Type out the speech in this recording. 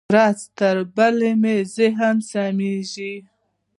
ورځ تر بلې مې ذهن سمېږي.